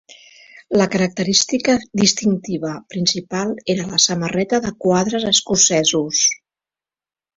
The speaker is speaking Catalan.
La característica distintiva principal era la samarreta de quadres escocesos.